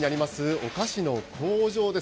お菓子の工場です。